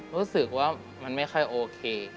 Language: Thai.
รู้สึกว่ามันไม่ค่อยโอเค